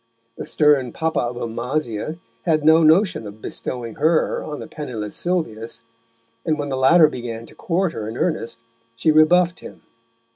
The stern papa of Amasia had no notion of bestowing her on the penniless Sylvius, and when the latter began to court her in earnest, she rebuffed him.